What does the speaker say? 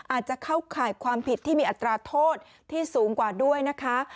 อาจจะเข้าข่ายความผิดที่มีอัตราโทษที่สูงกว่าด้วยนะคะ